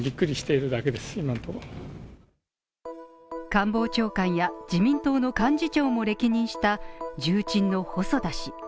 官房長官や自民党の幹事長も歴任した重鎮の細田氏。